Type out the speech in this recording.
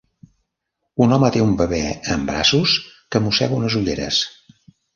Un home té un bebè en braços que mossega unes ulleres.